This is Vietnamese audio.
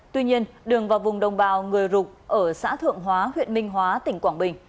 tuy nhiên đường vào vùng đồng bào người rục ở xã thượng hóa huyện minh hóa tỉnh quảng bình